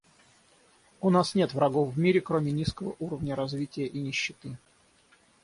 У нас нет врагов в мире, кроме низкого уровня развития и нищеты.